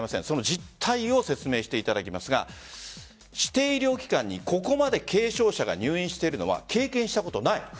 その実態を説明していただきますが指定医療機関にここまで軽症者が入院しているのは経験したことない。